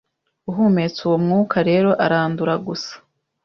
uhumetse uwo mwuka rero arandura gusa